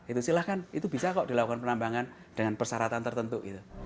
itu silahkan itu bisa kok dilakukan penambangan dengan persyaratan tertentu gitu